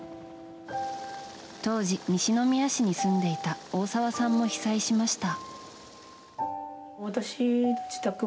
当時、西宮市に住んでいた大沢さんも被災しました。